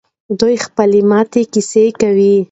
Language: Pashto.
دوی د خپلې ماتې کیسه کوي.